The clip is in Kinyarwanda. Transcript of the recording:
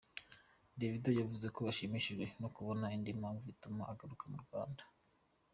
Davido yavuze ko ashimishijwe no kubona indi mpamvu ituma agaruka mu Rwanda.